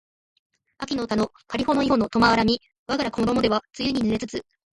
秋（あき）の田のかりほの庵（いほ）の苫（とま）を荒みわがころも手は露に濡れつつ